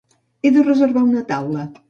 He de reservar una taula.